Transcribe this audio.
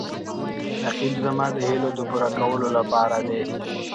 رقیب زما د هیلو د پوره کولو لپاره دی